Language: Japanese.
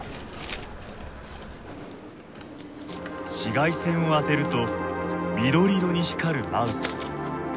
紫外線を当てると緑色に光るマウス。